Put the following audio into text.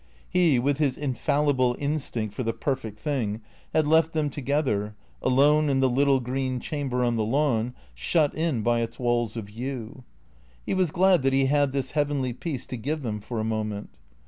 He, with his infallible instinct for the perfect thing, had left them together, alone in the little green chamber on the lawn, shut in by its walls of yew. He was glad that he had this heavenly peace to give them for a moment.